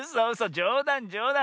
じょうだんじょうだん。